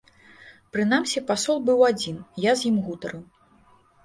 Прынамсі пасол быў адзін, я з ім гутарыў.